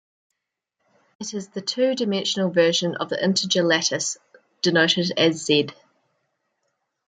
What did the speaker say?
It is the two-dimensional version of the integer lattice, denoted as Z.